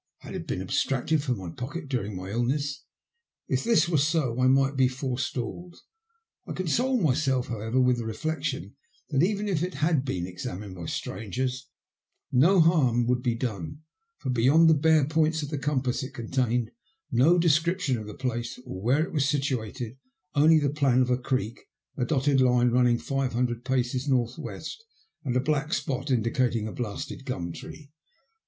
Had it been ab stracted from my pocket during my illness ? If this were so I might be forestalled. I consoled myself, . however, with the reflection that, even if it had been examined by strangers, no harm would be done, for beyond the bare points of the compass it contained no description of the place, or where it was situated ; only the plan of a creek, a dotted line running five hundred paces north west and a black spot indicating a blasted gum tree.